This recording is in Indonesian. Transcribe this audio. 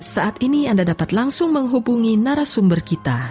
saat ini anda dapat langsung menghubungi naro sumber kita